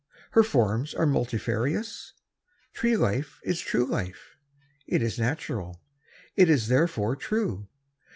Her forms are multifarious. Tree life is true life. It is natural. It is therefore true.